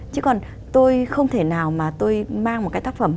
chứ còn tôi không thể nào mà tôi mang một cái tác phẩm